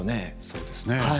そうですね。